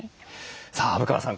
さあ虻川さん